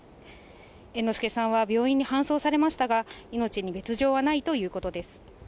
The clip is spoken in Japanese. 猿之助さんは病院に搬送されましたが、命に別状はないということです。